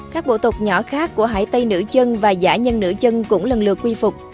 các bộ tộc nhỏ khác của hải tây nữ chân và giả nhân nữ chân cũng lần lượt quy phục